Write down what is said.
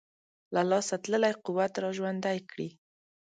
له لاسه تللی قوت را ژوندی کړي.